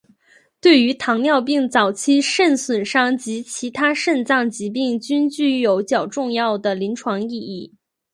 对于糖尿病早期肾损伤及其他肾脏疾病均具有较重要的临床意义。